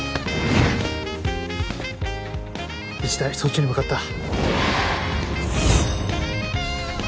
１対そっちに向かった。